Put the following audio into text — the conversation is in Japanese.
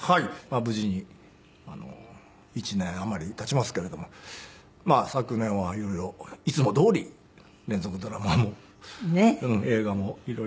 無事に１年余り経ちますけれども昨年は色々いつもどおり連続ドラマも映画も色々。